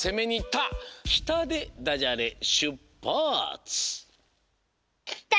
「きた」でダジャレしゅっぱつ！